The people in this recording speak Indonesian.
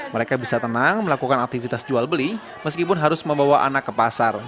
mereka bisa tenang melakukan aktivitas jual beli meskipun harus membawa anak ke pasar